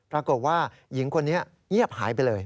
ปรากฏว่าหญิงคนนี้เงียบหายไปเลย